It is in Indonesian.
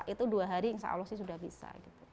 itu dua hari insya allah sih sudah bisa